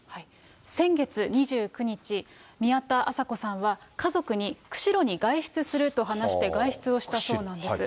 先月２９日、宮田麻子さんは家族に、釧路に外出すると話して外出をしたそうなんです。